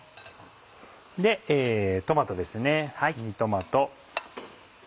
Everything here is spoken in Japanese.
トマトですねミニトマト。